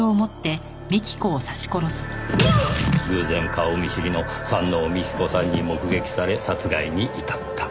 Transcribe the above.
偶然顔見知りの山王美紀子さんに目撃され殺害に至った。